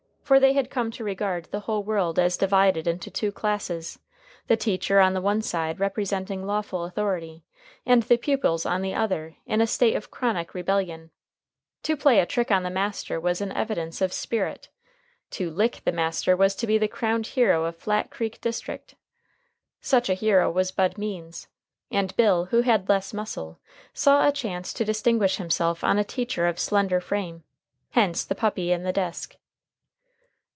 For they had come to regard the whole world as divided into two classes, the teacher on the one side representing lawful authority, and the pupils on the other in a state of chronic rebellion. To play a trick on the master was an evidence of spirit; to "lick" the master was to be the crowned hero of Flat Creek district. Such a hero was Bud Means; and Bill, who had less muscle, saw a chance to distinguish himself on a teacher of slender frame. Hence the puppy in the desk.